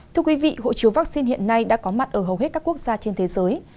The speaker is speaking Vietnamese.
thưa quý vị hội chiếu vaccine hiện nay đã có mặt ở hầu hết các quốc gia trên thế giới